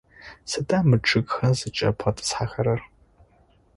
Сыда мы чъыгхэр зыкӏэбгъэтӏысхэрэр?